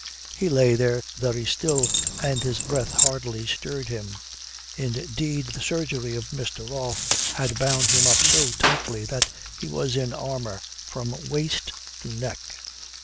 He lay there very still and his breath hardly stirred him. Indeed, the surgery of Mr. Rolfe had bound him up so tightly that he was in armour from waist to neck.